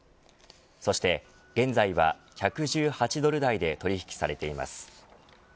そして現在は１１８ドル台で取引されています。